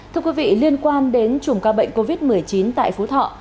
thưa quý vị liên quan đến chùm ca bệnh covid một mươi chín tại phú thọ